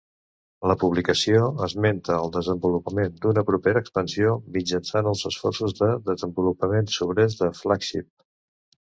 La publicació esmenta el desenvolupament d'una propera expansió, mitjançant els esforços de desenvolupament sobrers de Flagship.